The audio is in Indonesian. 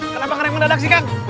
kenapa keren banget adak sih kang